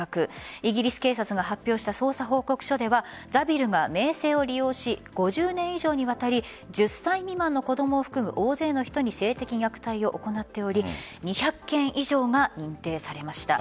イギリス警察が発表した捜査報告書ではザビルが名声を利用し５０年以上にわたり１０歳未満の子どもを含む大勢の人に性的虐待を行っており２００件以上が認定されました。